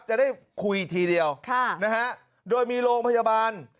จะได้คุยทีเดียวโดยมีโรงพยาบาล